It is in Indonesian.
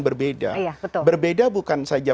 berbeda berbeda bukan saja